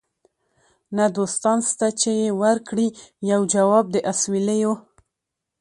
نه دوستان سته چي یې ورکړي یو جواب د اسوېلیو